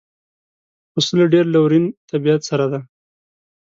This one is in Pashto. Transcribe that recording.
پسه له ډېر لورین طبیعت سره دی.